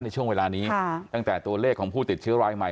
ในช่วงเวลานี้ตั้งแต่ตัวเลขของผู้ติดเชื้อรายใหม่